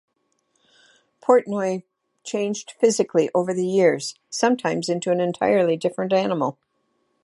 Portnoy changed physically over the years; sometimes into an entirely different animal.